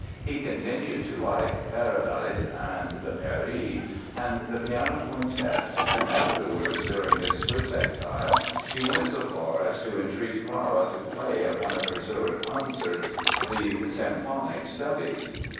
He continued to like "Paradise and the Peri" and the Piano Quintet and, afterwards, during his Swiss exile, he went so far as to entreat Clara to play at one of her Zurich concerts the "Symphonic Studies".